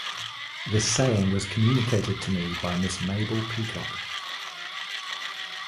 This saying was communicated to me by Miss Mabel Peacock.